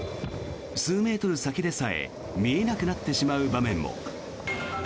数メートル先でさえ見えなくなってしまう場面も。